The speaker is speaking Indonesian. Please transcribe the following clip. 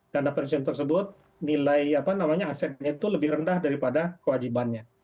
dana pensiun tersebut nilai asetnya itu lebih rendah daripada kewajibannya